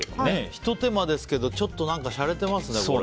ひと手間ですけどちょっと、しゃれてますね。